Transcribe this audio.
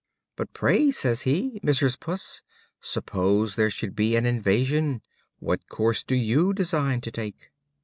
"But pray," says he, "Mrs. Puss, suppose there should be an invasion, what course do you design to take?"